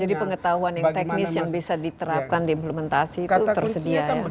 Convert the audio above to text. jadi pengetahuan yang teknis yang bisa diterapkan diimplementasi itu tersedia